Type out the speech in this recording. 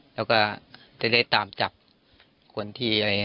แล้วก็จะได้ตามจับคนที่อะไรอย่างนี้